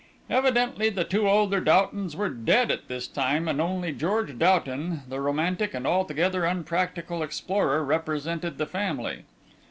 Evidently the two older Doughtons were dead at this time, and only George Doughton, the romantic and altogether unpractical explorer, represented the family.